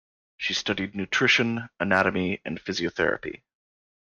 She studied nutrition, anatomy, and physiotherapy.